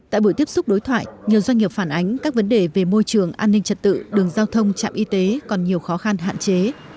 tại buổi tiếp xúc đối thoại nhiều doanh nghiệp phản ánh các vấn đề về môi trường an ninh trật tự đường giao thông trạm y tế còn nhiều khó khăn hạn chế